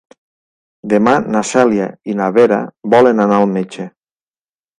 Demà na Cèlia i na Vera volen anar al metge.